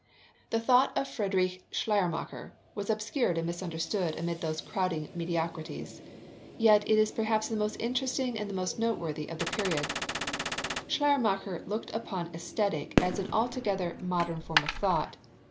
The thought of Friedrich Schleiermacher was obscured and misunderstood amid those crowding mediocrities; yet it is perhaps the most interesting and the most noteworthy of the period. Schleiermacher looked upon Aesthetic as an altogether modern form of thought.